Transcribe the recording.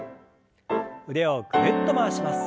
腕をぐるっと回します。